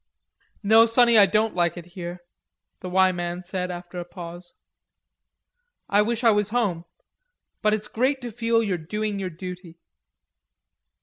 "No, sonny, I don't like it here," the "Y" man said, after a pause. "I wish I was home but it's great to feel you're doing your duty."